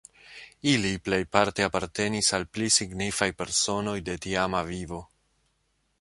Ili plejparte apartenis al pli signifaj personoj de tiama vivo.